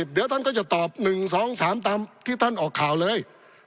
เดี๋ยวท่านก็จะตอบ๑๒๓ตามที่ท่านออกข่าวเลย